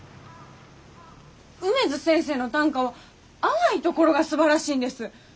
梅津先生の短歌は淡いところがすばらしいんです。